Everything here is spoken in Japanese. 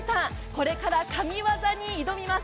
これから神技に挑みます。